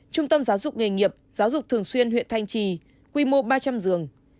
trung tâm giáo dục nghề nghiệp giáo dục thường xuyên huyện thanh trì quy mô ba trăm linh giường